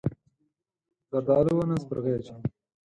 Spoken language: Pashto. زردالو ونه سپرغۍ اچوي.